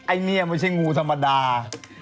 ไอ้นี่ไม่ใช่งูธรรมดา